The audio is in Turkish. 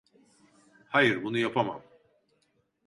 Hayır, bunu yapamam.